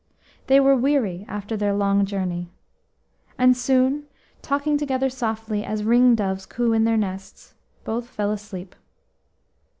They were weary after their long journey, and soon, talking together softly as ringdoves coo in their nests, both fell asleep.